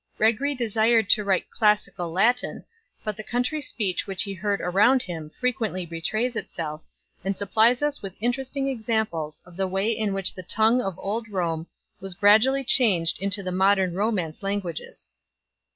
Gregory desired to write classical Latin, but the country speech which he heard around him frequently betrays itself, and supplies us with interesting examples of the way in which the tongue of old Rome was gradually changed into the modern Romance lan guages.